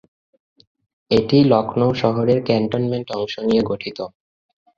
এটি লখনউ শহরের ক্যান্টনমেন্ট অংশ নিয়ে গঠিত।